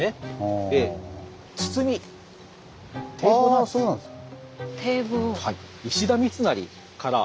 あそうなんですか。